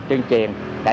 tuyên truyền đến người dân